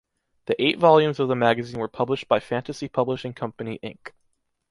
The eight volumes of the magazine were published by Fantasy Publishing Company, Inc.